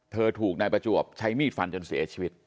ถูกนายประจวบใช้มีดฟันจนเสียชีวิต